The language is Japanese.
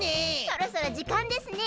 そろそろじかんですね。